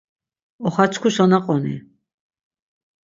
Oxaçkuşa naqoni.